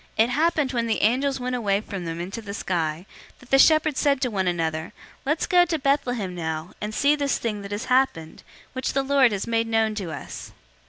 002:015 It happened, when the angels went away from them into the sky, that the shepherds said one to another, "Let's go to Bethlehem, now, and see this thing that has happened, which the Lord has made known to us."